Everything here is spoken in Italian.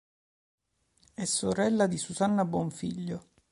È sorella di Susanna Bonfiglio.